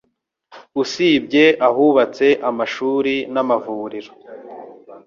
usibye ahubatse amashuri n'amavuriro